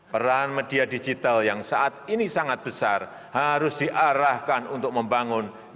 peran media digital yang saat ini sangat besar harus diarahkan untuk membangun